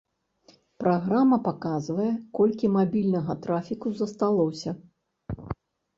Праграма паказвае, колькі мабільнага трафіку засталося.